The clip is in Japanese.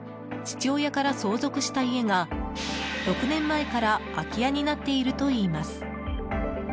父親から相続した家が６年前から空き家になっているといいます。